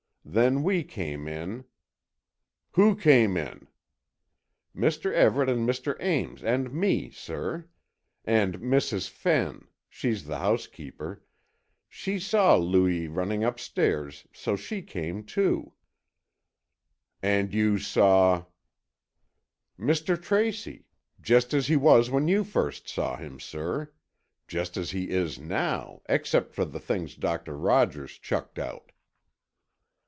Then we came in——" "Who came in?" "Mr. Everett and Mr. Ames and me, sir. And Mrs. Fenn—she's the housekeeper—she saw Louis running upstairs, so she came, too." "And you saw——?" "Mr. Tracy, just as he was when you first saw him, sir. Just as he is now, except for the things Doctor Rogers chucked out."